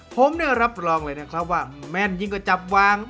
ผมเนี่ยรับรองเลยนะครับว่าแม่นยิ่งกว่าจับวาง